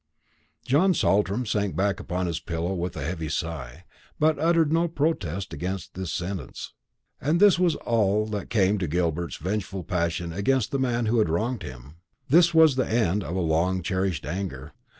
John Saltram sank back upon his pillow with a heavy sigh, but uttered no protest against this sentence. And this was all that came of Gilbert's vengeful passion against the man who had wronged him; this was the end of a long cherished anger.